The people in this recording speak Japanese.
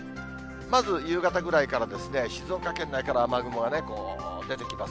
まず夕方ぐらいからですね、静岡県内から雨雲がね、こう、出てきます。